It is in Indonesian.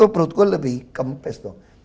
perut gue lebih kempes